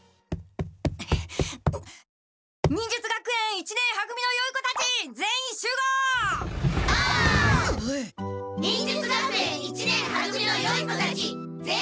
忍術学園一年は組のよい子たち全員集合しました。